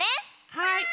はい。